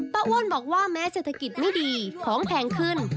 อ้วนบอกว่าแม้เศรษฐกิจไม่ดีของแพงขึ้น